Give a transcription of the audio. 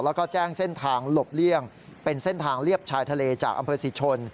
แล้วก็แจ้งเส้นทางหลบเลี่ยงเป็นเส้นทางเลียบชายทะเลจากอำเภอศรีชน